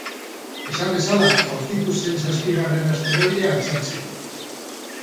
Esan bezala, aurkitu zen zazpigarren asteroidea izan zen.